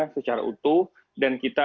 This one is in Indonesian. secara utuh dan kita